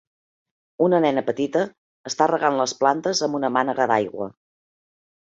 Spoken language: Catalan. Una nena petita està regant les plantes amb una mànega d'aigua.